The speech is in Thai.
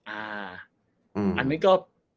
อ่าอันนี้ก็